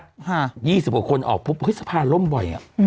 ๒๐กว่าคนออกปุ๊บเฮ้ยสะพานล่มบ่อย